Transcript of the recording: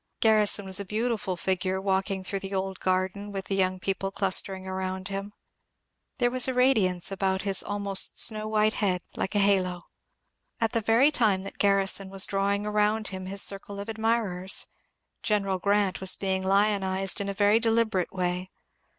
Grarrison was a beautiful figure walking through the old garden with the young people cluster ing around him. There was a radiance about his almost snow white head like a halo. At the very time that Garrison was drawing around him his circle of admirers. General Grant was being lionized in a very deliberate way.